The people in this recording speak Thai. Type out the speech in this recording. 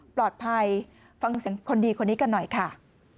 ปลอดภัยฟังเสียงคนดีคนนี้กันหน่อยค่ะ